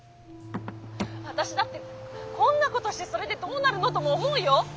「私だってこんなことしてそれでどうなるのとも思うよ。